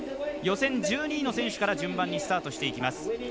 予選１２位の選手から順番にスタートします。